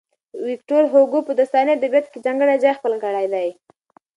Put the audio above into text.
ويکټور هوګو په داستاني ادبياتو کې ځانګړی ځای خپل کړی دی.